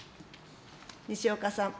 西岡さん。